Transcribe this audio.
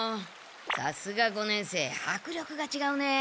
さすが五年生迫力がちがうね。